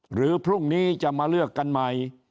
หรือพรุ่งนี้จะมาเลือกกันใหม่